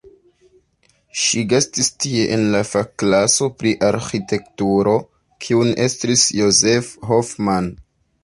Ŝi gastis tie en la fakklaso pri arĥitekturo kiun estris Josef Hoffmann.